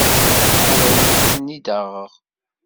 Ad awen-ten-id-aɣeɣ.